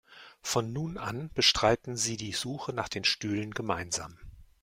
Von nun an bestreiten sie die Suche nach den Stühlen gemeinsam.